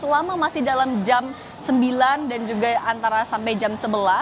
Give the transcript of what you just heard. selama masih dalam jam sembilan dan juga antara sampai jam sebelas